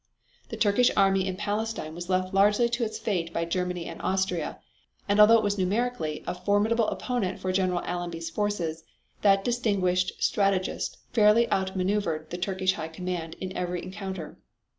The Turkish army in Palestine was left largely to its fate by Germany and Austria, and although it was numerically a formidable opponent for General Allenby's forces, that distinguished strategist fairly outmaneuvered the Turkish High Command in every encounter.